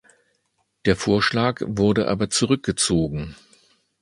Der Vorschlag wurde aber zurückgezogen.